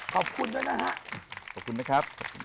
ขอบคุณด้วยนะฮะ